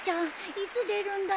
いつ出るんだろう？